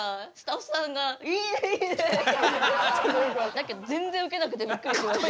だけど全然ウケなくてびっくりしました。